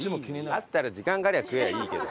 あったら時間がありゃ食えばいいけど。